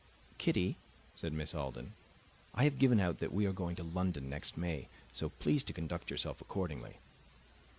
"Kitty," said Miss Alden, "I have given out that we are going to London next May. So please to conduct yourself accordingly."